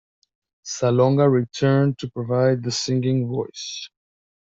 Salonga returned to provide the singing voice.